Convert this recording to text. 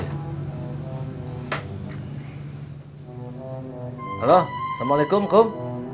halo assalamualaikum kum